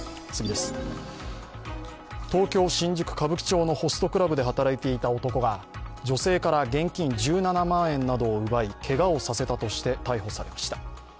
東京・新宿歌舞伎町のホストクラブで働いていた男が女性から現金１７万円を奪いけがなどをさせたとして逮捕されました。